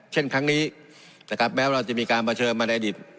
เช่นครั้งนี้นะครับแม้ว่าเราจะมีการเผชิญมาในดิต